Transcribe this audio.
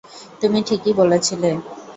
তুমি ঠিকই বলেছিলে!